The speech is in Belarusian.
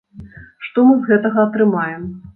Што мы з гэтага атрымаем?